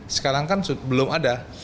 sekarang kan belum ada